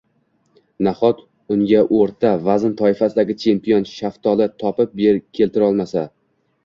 Nahot, unga o`rta vazn toifasidagi chempion shaftoli topib keltirolmasa